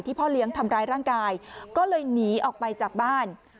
พ่อเลี้ยงทำร้ายร่างกายก็เลยหนีออกไปจากบ้าน